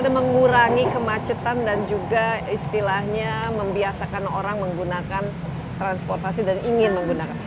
ada mengurangi kemacetan dan juga istilahnya membiasakan orang menggunakan transportasi dan ingin menggunakan